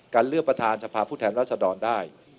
เลือกประธานสภาพผู้แทนรัศดรได้